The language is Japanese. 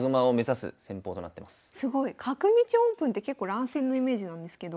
すごい。角道オープンって結構乱戦のイメージなんですけど。